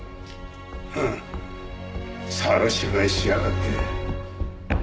フン猿芝居しやがって。